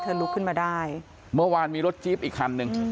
ลุกขึ้นมาได้เมื่อวานมีรถจี๊บอีกคันหนึ่ง